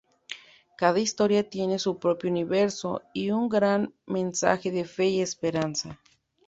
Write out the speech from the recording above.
Cada historia tiene su propio universo y un gran mensaje de fe y esperanza.